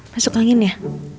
masuk angin ya